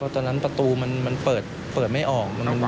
ตอนนั้นประตูมันเปิดไม่ออก